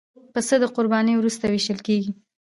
پسه د قربانۍ وروسته وېشل کېږي.